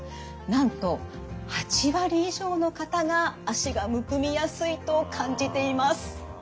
なんと８割以上の方が脚がむくみやすいと感じています。